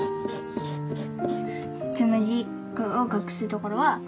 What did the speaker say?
つむじを隠すところはここを。